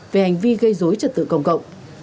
về hành vi gây dối trật tự công cộng